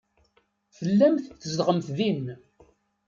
Tellamt tzedɣemt din.